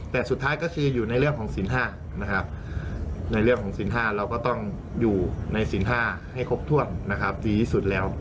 แต่สุดท้ายก็คืออยู่ในเรื่องของศิลป์ห้าเราก็ต้องอยู่ในศิลป์ห้าให้ครบถ้วนดีที่สุดแล้ว